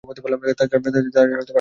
তা ছাড়া আর কী হতে পারে?